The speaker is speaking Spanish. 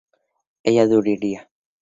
ella dudaría